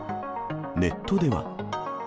ネットでは。